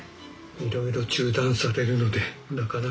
いろいろ中断されるのでなかなか集中できません。